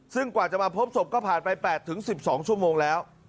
ซึ่งกว่าจะมาพบศพก็ผ่านไป๘๑๒ชั่วโมงแล้ว